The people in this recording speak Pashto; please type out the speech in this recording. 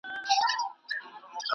عمر